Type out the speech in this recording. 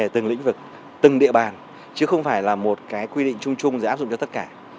từng địa bàn chứ không phải là một quy định chung chung để áp dụng cho tất cả